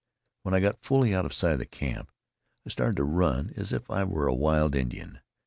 When I got fully out of sight of camp, I started to run as if I were a wild Indian.